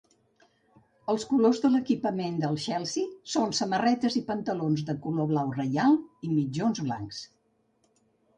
Els colors de l'equipament del Chelsea són samarretes i pantalons de color blau reial i mitjons blancs.